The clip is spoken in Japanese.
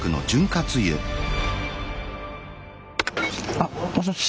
あもしもし